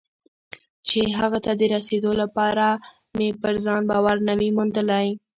چې هغه ته د رسېدو لپاره مې پر ځان باور نه وي موندلی.